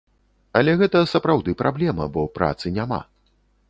Але гэта сапраўды праблема, бо працы няма.